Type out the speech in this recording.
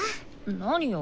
何よ？